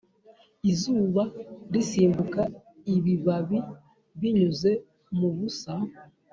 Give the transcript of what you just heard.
izuba risimbuka ibibabi binyuze mubusa